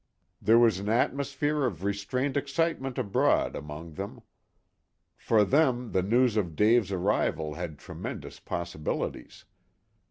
There was an atmosphere of restrained excitement abroad among them. For them the news of Dave's arrival had tremendous possibilities.